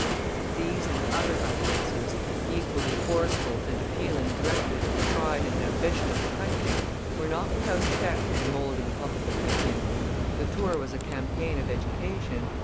These and other utterances, equally forceful and appealing directly to the pride and ambition of the country, were not without effect in moulding public opinion. The tour was a campaign of education.